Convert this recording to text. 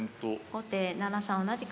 後手７三同じく桂。